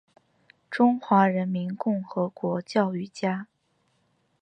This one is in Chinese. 中华人民共和国教育家。